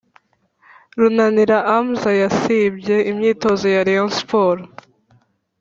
runanira amza yasibye imyitozo ya rayon sports